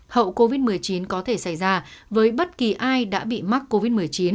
hậu covid một mươi chín có thể xảy ra với bất kỳ ai đã bị mắc covid một mươi chín